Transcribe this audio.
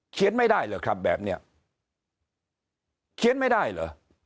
ไม่ได้เหรอครับแบบนี้เขียนไม่ได้เหรอ